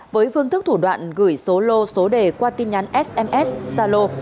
với phương thức thủ đoạn gửi số lô số đề qua tin nhắn sms gia lô